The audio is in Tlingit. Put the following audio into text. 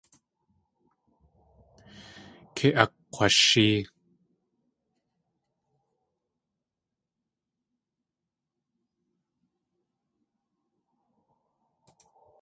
Kei akg̲washée.